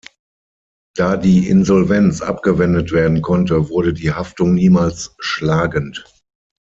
Da die Insolvenz abgewendet werden konnte, wurde die Haftung niemals schlagend.